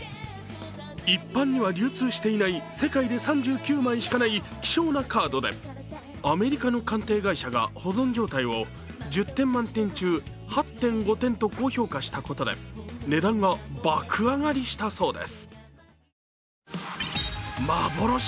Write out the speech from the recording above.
一般には流通していない世界で３９枚しかない希少なカードでアメリカの鑑定会社が保存状態を１０点満点中８．５点と高評価したことで値段が爆上がりしたそうです。